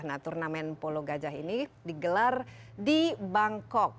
nah turnamen polo gajah ini digelar di bangkok